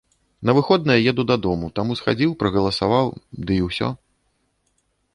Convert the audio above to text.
На выходныя еду дадому, таму схадзіў прагаласаваў, ды і ўсё.